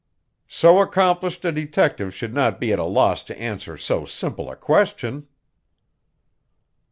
"So accomplished a detective should not be at a loss to answer so simple a question."